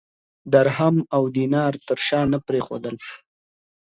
درهم او دینار یې تر شا نه پرېښودل.